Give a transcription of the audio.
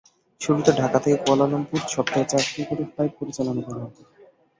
শুরুতে ঢাকা থেকে কুয়ালালামপুরে সপ্তাহে চারটি করে ফ্লাইট পরিচালনা করা হবে।